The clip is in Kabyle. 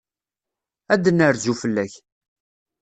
Ad d-nerzu fell-ak.